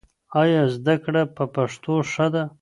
ایا زده کړه په پښتو ښه ده؟